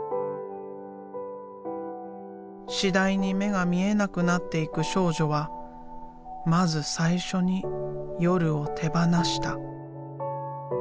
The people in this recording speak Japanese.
次第に目が見えなくなっていく少女はまず最初に「夜」を手ばなした。